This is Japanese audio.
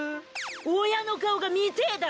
親の顔が見てえだろ！